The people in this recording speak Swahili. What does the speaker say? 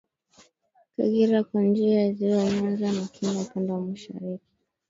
Kagera kwa njia ya Ziwa Nyanza na Kenya upande wa mashariki